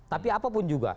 tapi apapun juga